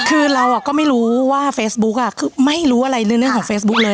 คือเราก็ไม่รู้ว่าเฟซบุ๊กคือไม่รู้อะไรในเรื่องของเฟซบุ๊คเลย